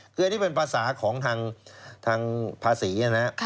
คืออันนี้เป็นภาษาของทางภาษีนะครับ